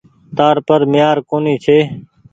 تآر پر ميهآر ڪونيٚ ڇي۔